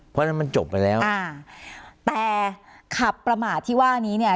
เพราะฉะนั้นมันจบไปแล้วอ่าแต่ขับประมาทที่ว่านี้เนี่ย